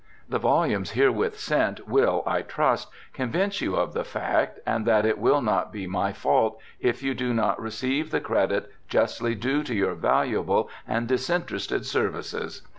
The volumes herewith sent will, I trust, convince you of the fact, and that it will not be my fault if you do not receive the credit justly due to your valuable and disinterested services.